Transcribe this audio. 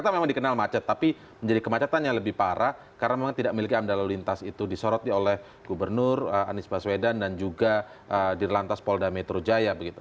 karena memang dikenal macet tapi menjadi kemacetan yang lebih parah karena memang tidak memiliki amdal lalu lintas itu disoroti oleh gubernur anies baswedan dan juga di lantas polda metro jaya begitu